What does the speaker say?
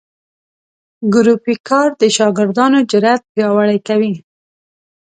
ګروپي کار د شاګردانو جرات پیاوړي کوي.